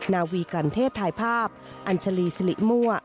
นาวีกันเทศถ่ายภาพอัญชาลีสิริมั่ว